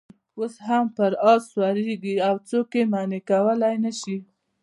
اوس هم پر آس سپرېږي او څوک یې منع کولای نه شي.